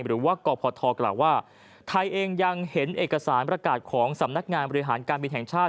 หรือว่ากพทกล่าวว่าไทยเองยังเห็นเอกสารประกาศของสำนักงานบริหารการบินแห่งชาติ